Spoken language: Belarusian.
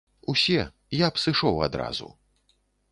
Усе, я б сышоў адразу.